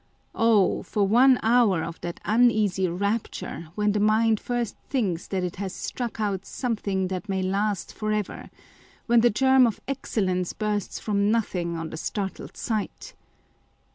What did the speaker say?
Oh ! for one hour of that uneasy rapture, when the mind first thinks that it has struck out something that may last for ever ; when the germ of excellence bursts from nothing on the startled sight!